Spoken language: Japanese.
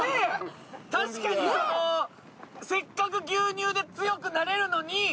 確かにせっかく牛乳で強くなれるのに。